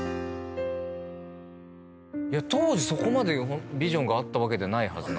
当時そこまでビジョンがあったわけではないはずなんで。